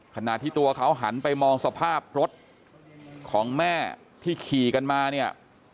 ขณะที่ตัวเขาหันไปมองสภาพรถของแม่ที่ขี่กันมาเนี่ย